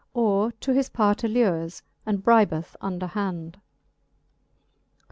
Or to his part allures, and bribeth under hand.